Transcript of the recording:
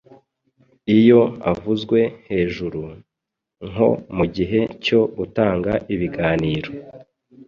iyo avuzwe hejuru, nko mugihe cyo gutanga ibiganiro